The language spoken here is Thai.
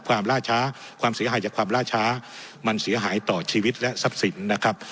ล่าช้าความเสียหายจากความล่าช้ามันเสียหายต่อชีวิตและทรัพย์สินนะครับ